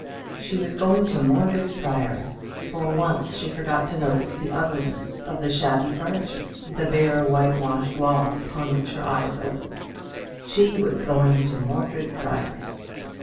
She was going to Mordred Priory. For once she forgot to notice the ugliness of the shabby furniture, the bare whitewashed walls upon which her eyes opened. She was going to Mordred Priory.